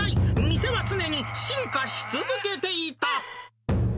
店は常に進化し続けていた。